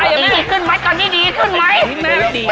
ตอนนี้ขึ้นไหมตอนนี้ดีขึ้นไหม